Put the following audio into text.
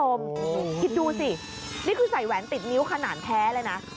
คิดดูสินี่คือใส่แหวนติดนิ้วขนาดแท้เลยนะ